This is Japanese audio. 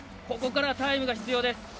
ここからタイムが必要です。